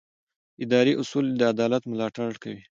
اداري اصول د عدالت ملاتړ کوي.